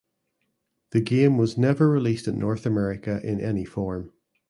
The game was never released in North America in any form.